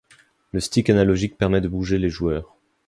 Le stick analogique permet de bouger les joueurs.